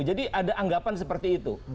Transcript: jadi ada anggapan seperti itu